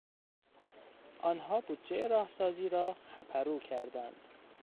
آنها بودجهی راهسازی را هپرو کردند.